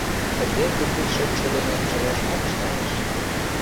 Тыге пӱртӱс шотшо дене чылажымат ышталеш.